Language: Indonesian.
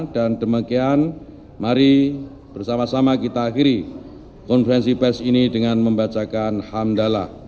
dan demikian mari bersama sama kita akhiri konferensi pers ini dengan membacakan hamdallah